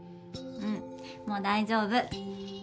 うんもう大丈夫。